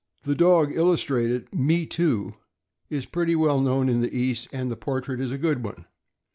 The dog illustrated, Me Too (6074), is pretty well known in the East, and the portrait is a good one.